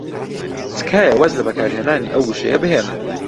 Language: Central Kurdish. تکایە واز لە بەکارهێنانی ئەو وشەیە بهێنن.